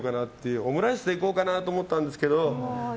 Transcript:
オムライスでいこうかなと思ったんですけど。